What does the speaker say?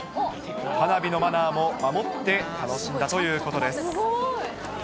花火のマナーも守って楽しんだということです。